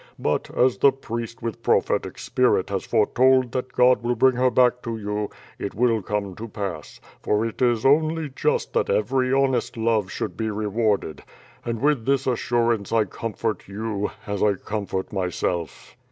But, as the priest with prophetic spirit has foretold that Goi will bring her back to you, it will come to pass; for it is only just that every honest love should be re warded, and with this assurance I comfort you, as I comfort myself."